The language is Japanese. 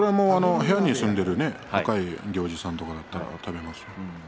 部屋に住んでいる若い行司さんとかだったら食べますよ。